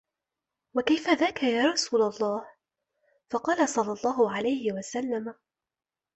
وَكَيْفَ ذَاكَ يَا رَسُولَ اللَّهِ ؟ فَقَالَ صَلَّى اللَّهُ عَلَيْهِ وَسَلَّمَ